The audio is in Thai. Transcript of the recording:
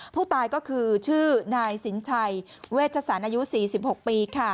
ผู้ตายก็คือชื่อนายสินชัยเวชศาลอายุ๔๖ปี